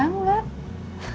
kamu keliatan happy banget